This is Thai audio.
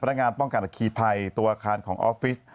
พันธการป้องกันกับคีย์ภัยตัวอาคารของออฟฟิศ